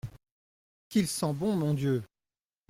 Qu’il sent bon, mon Dieu !